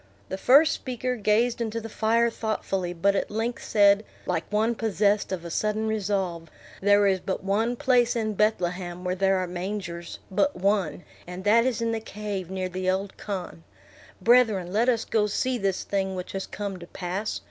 The first speaker gazed into the fire thoughtfully, but at length said, like one possessed of a sudden resolve, "There is but one place in Bethlehem where there are mangers; but one, and that is in the cave near the old khan. Brethren, let us go see this thing which has come to pass.